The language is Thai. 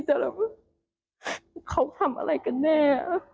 แต่เราก็เขาทำอะไรกันแน่